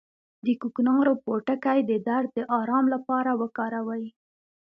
د کوکنارو پوټکی د درد د ارام لپاره وکاروئ